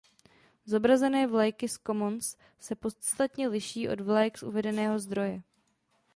Zobrazené vlajky z commons se podstatně liší od vlajek z uvedeného zdroje.